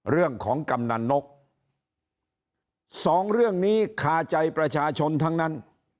กำนันนกสองเรื่องนี้คาใจประชาชนทั้งนั้น